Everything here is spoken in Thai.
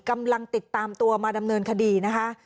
กำลังติดตามตัวมาดำเนินคดีนะคะ